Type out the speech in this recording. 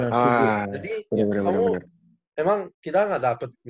jadi emang kita ga dapet gaji